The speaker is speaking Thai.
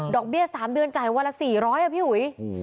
ดอกเบี้ย๓เดือนจ่ายวันละ๔๐๐บาทป้าหูย